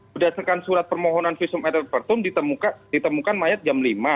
berdasarkan surat permohonan visum et repertum ditemukan mayat jam lima